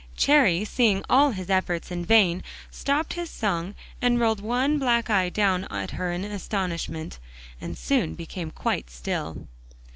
Cherry seeing all his efforts in vain, stopped his song and rolled one black eye down at her in astonishment, and soon became quite still.